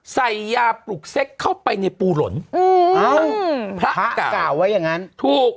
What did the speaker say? ใส่ยาปลูกเซ็กเข้าไปในปูหล่นอืมพระก่าวพระก่าวไว้อย่างงั้นถูก